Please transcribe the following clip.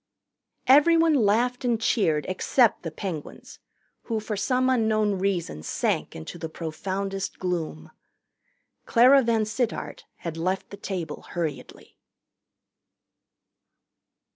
Everyone laughed and cheered except the Penguins, who for some unknown reason sank into the profoundest gloom. Clara VanSittart had left the table hurriedly.